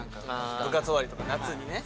部活終わりとか夏にね。